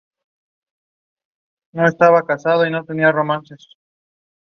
Pertenecía a una familia acomodada de comerciantes de habla alemana.